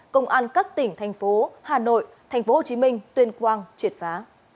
công an các tỉnh thành phố hà nội thành phố hồ chí minh tuyên quang triệt phá